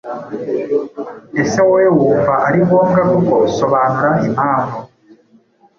Ese wowe wumva ari ngombwa koko? Sobanura impamvu.